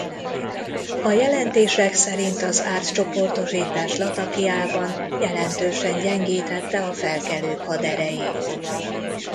A jelentések szerint az átcsoportosítás Latakiában jelentősen gyengítette a felkelők haderejét.